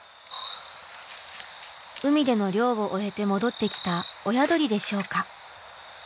海での漁を終えて戻ってきた親鳥でしょうか？